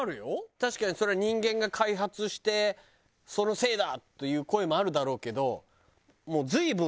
確かにそりゃ人間が開発して「そのせいだ」っていう声もあるだろうけど。